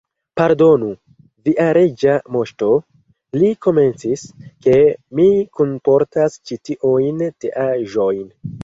"Pardonu, via Reĝa Moŝto," li komencis, "ke mi kunportas ĉi tiujn teaĵojn.